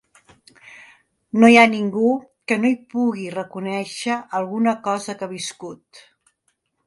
No hi ha ningú que no hi pugui reconèixer alguna cosa que ha viscut.